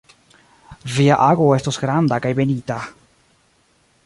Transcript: Via ago estos granda kaj benita.